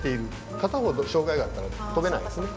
片方障害があったら跳べないですね。